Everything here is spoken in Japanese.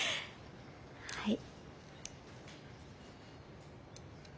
はい。